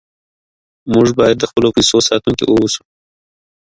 موږ باید د خپلو پیسو ساتونکي اوسو.